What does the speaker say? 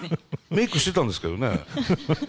メークしてたんですけどね。